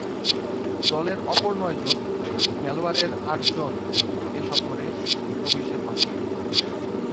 দলের অপর নয়জন খেলোয়াড়ের আটজন এ সফরে অভিষেক ঘটান।